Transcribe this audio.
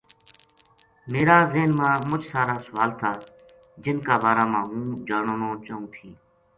میرا ذہن ما مُچ سارا سوال تھا جن کا بارا ما ہوں جاننو چاہوں تھی